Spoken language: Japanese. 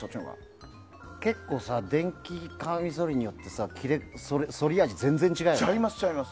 結構、電気カミソリによってそり味全然違うよね。